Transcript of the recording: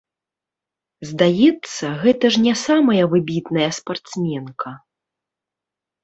Здаецца, гэта ж не самая выбітная спартсменка.